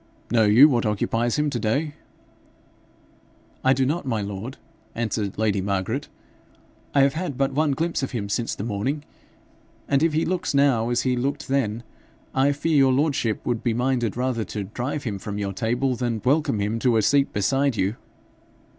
Know you what occupies him to day?' 'I do not, my lord,' answered lady Margaret. 'I have had but one glimpse of him since the morning, and if he looks now as he looked then, I fear your lordship would be minded rather to drive him from your table than welcome him to a seat beside you.'